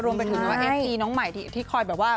รวมไปถึงเอฟซีน้องใหม่ที่คอยแบบว่า